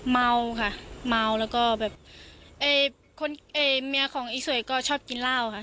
เมาค่ะเมาแล้วก็แบบเมียของอีสวยก็ชอบกินเหล้าค่ะ